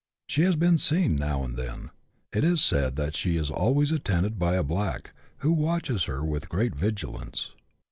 She has been seen now and then. It is said that she is always attended by a black, who watches her with great vigi lance.